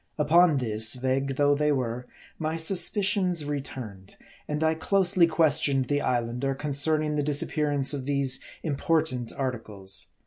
Upon this, vague though they were, my suspicions return ed ; and I closely questioned the Islander concerning the dis appearance of these important articles.